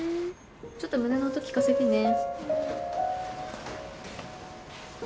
ちょっと胸の音聞かせてね。